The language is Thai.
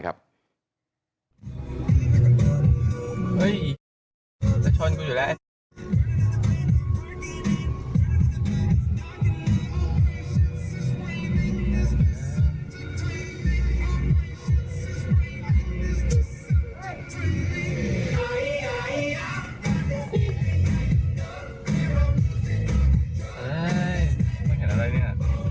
ไม่เห็นอะไรเนี่ย